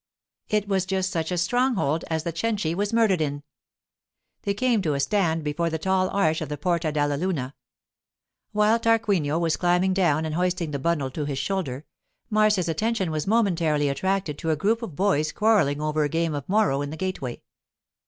It was just such a stronghold as the Cenci was murdered in. They came to a stand before the tall arch of the Porta della Luna. While Tarquinio was climbing down and hoisting the bundle to his shoulder, Marcia's attention was momentarily attracted to a group of boys quarrelling over a game of morro in the gateway.